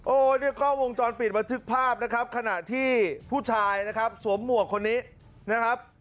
เนี่ยกล้องวงจรปิดบันทึกภาพนะครับขณะที่ผู้ชายนะครับสวมหมวกคนนี้นะครับ